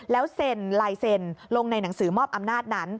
แล้วเซ็นลายเซ็นลงในหนังสือมอบอำนาจนั้น